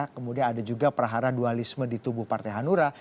kemudian ada juga perahara dualisme di tubuh partai hanura